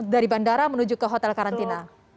dari bandara menuju ke hotel karantina